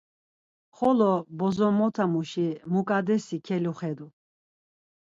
Xolo bozomotamuşi Muǩadesi keluxedu.